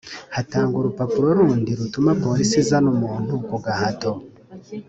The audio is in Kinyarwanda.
hatangwa urupapuro rundi rutuma Polisi izana umuntu ku gahato